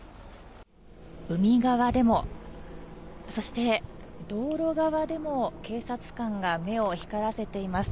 海側でもそして道路側でも警察官が目を光らせています。